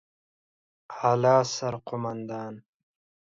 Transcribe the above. اعلى سرقومندان